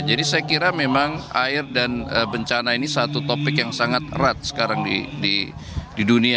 jadi saya kira memang air dan bencana ini satu topik yang sangat erat sekarang di dunia